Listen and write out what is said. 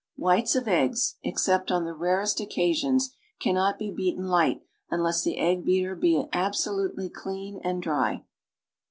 Whites of eggs — except on the rarest occasions — cannot be beaten light imless the egg beater be absolutely clean and dry.